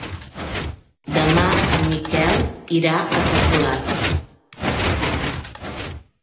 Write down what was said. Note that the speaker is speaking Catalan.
Demà en Miquel irà a Capolat.